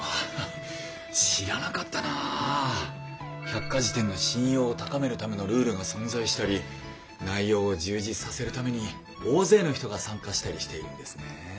百科事典の信用を高めるためのルールが存在したり内容を充実させるために大勢の人が参加したりしているんですね。